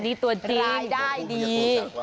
นี่ตัวจริงรายได้ดี